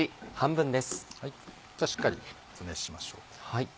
しっかり熱しましょう。